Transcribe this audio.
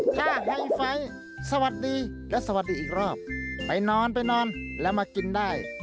ถ้าไฮไฟสวัสดีและสวัสดีอีกรอบไปนอนไปนอนแล้วมากินได้